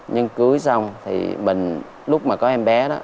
nhưng cưới xong thì lúc mà có em bé đó